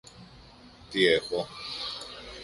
Τι έχω;